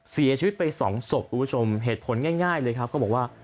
เสียชีวิตไป๒ศพอุปจัมภ์เหตุผลง่ายเลยครับก็บอกว่า